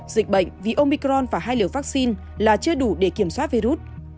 dịch bệnh vì omicron và hai liều vaccine là chưa đủ để kiểm soát virus